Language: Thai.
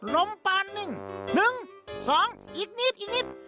ลมปานนิ่ง๑๒อีกนิด